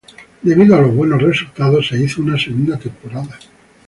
Debido a los buenos resultados, se hizo una segunda temporada.